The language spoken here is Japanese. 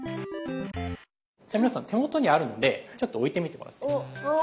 じゃあ皆さん手元にあるのでちょっと置いてみてもらって。